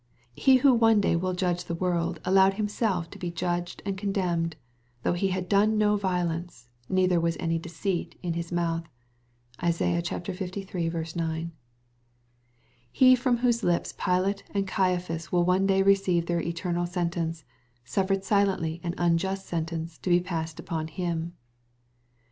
He who will one day judge the world allowed himself to be judged and condemned, though " he had done no violence, neither was any deceit in his mouth." (Isaiah liii. 9.) He from whose lips Pilate and Caiaphas will one day receive their eternal sentence, suffered silently an unjust sentence to be passed upon him.